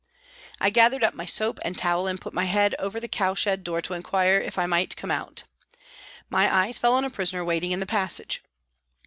I gathered up my soap and towel and HOLLOWAY PRISON 81 put my head over the cowshed door to inquire if I might come out. My eyes fell on a prisoner waiting in the passage.